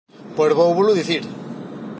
Pois vóuvolo dicir.